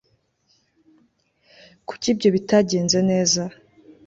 kuki ibyo bitagenze neza